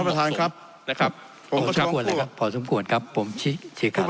ครับนะครับผมพอสมควรครับพอสมควรครับผมชิคกราบได้ครับ